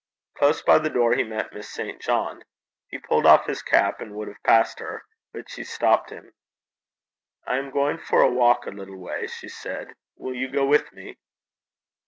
Close by the door he met Miss St. John. He pulled off his cap, and would have passed her. But she stopped him. 'I am going for a walk a little way,' she said. 'Will you go with me?'